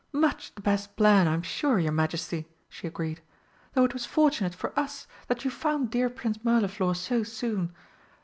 "Much the best plan, I'm sure, your Majesty!" she agreed, "though it was fortunate for us that you found dear Prince Mirliflor so soon.